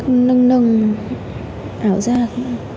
rắc nâng nâng ảo rác